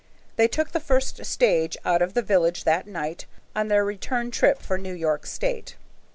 They took the first stage out of the village that night on their return trip for New York State.